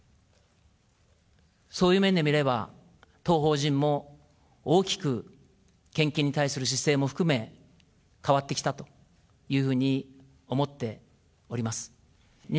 そういう面で見れば、当法人も、大きく献金に対する姿勢も含め、変わってきたというふうに思っております。